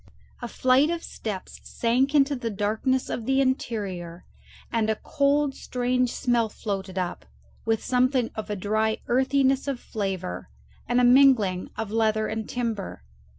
A flight of steps sank into the darkness of the interior, and a cold strange smell floated up, with something of a dry earthiness of flavour and a mingling of leather and timber.